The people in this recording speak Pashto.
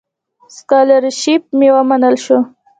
سکالرشیپ مې ومنل شو.